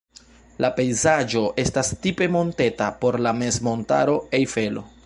La pejzaĝo estas tipe monteta por la mezmontaro Ejfelo.